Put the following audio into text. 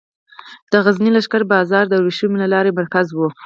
د غزني لښکر بازار د ورېښمو لارې مرکز و